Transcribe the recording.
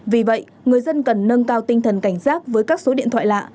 vì vậy người dân cần nâng cao tinh thần cảnh giác với các số điện thoại lạ